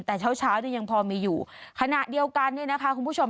แต่เช้าเช้าเนี่ยยังพอมีอยู่ขณะเดียวกันเนี่ยนะคะคุณผู้ชม